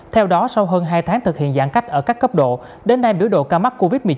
theo đó sau hơn hai tháng thực hiện giãn cách ở các cấp độ đến nay biểu độ ca mắc covid một mươi chín